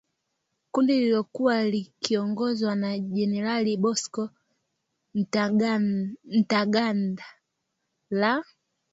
kundi lililokuwa likiongozwa na jenerali Bosco Ntaganda la